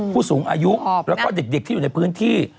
ผู้สูงอายุแล้วก็เด็กที่อยู่ในพื้นที่